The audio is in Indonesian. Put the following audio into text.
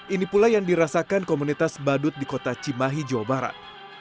ini pula yang dirasakan komunitas badut di kota cimahi jawa barat